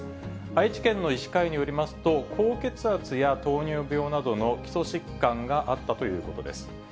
愛知県の医師会によりますと、高血圧や糖尿病などの基礎疾患があったということです。